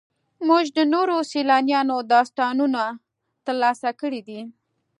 موږ د نورو سیلانیانو داستانونه ترلاسه کړي دي.